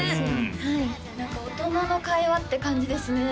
何か大人の会話って感じですね